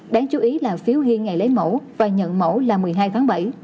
đáng chú ý là phiếu ghiê ngày lấy mẫu và nhận mẫu là một mươi hai tháng bảy